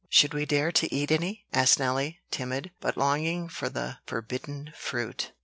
"Should we dare to eat any?" asked Nelly, timid, but longing for the forbidden fruit.